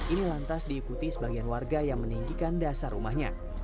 ini lantas diikuti sebagian warga yang meninggikan dasar rumahnya